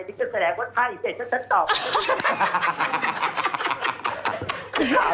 โถ้คือในการที่ติดก่อนไน่